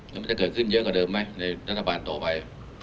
แล้วมันจะเกิดขึ้นเยอะกว่าเดิมไหมในรัฐบาลต่อไป